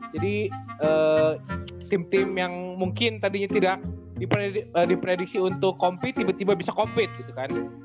jadi tim tim yang mungkin tadinya tidak diprediksi untuk compete tiba tiba bisa compete gitu kan